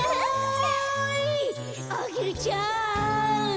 アゲルちゃん。